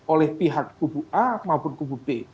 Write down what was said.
oleh pihak kubu a maupun kubu b